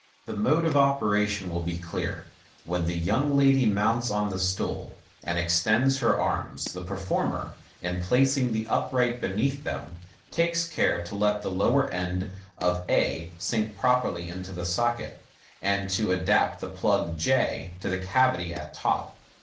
The mode of operation will now be clear. When the young ladyr mounts on the stool, and extends her arms, the performer, in placing the upright beneath them, takes care to let tb*5 lower end of a sink properly into the socket, and to adapt the plug j to the cavity at top.